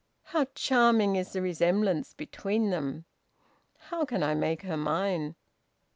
How charming is the resemblance between them! How can I make her mine?"